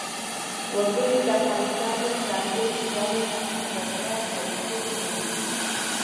وګړي د افغانستان د ځانګړي ډول جغرافیه استازیتوب کوي.